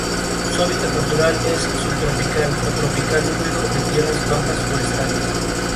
Lake Schatz de "Consequence of Sound" lo llamó "una escucha reflexiva y seria".